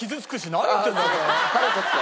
「何言ってんだ」って。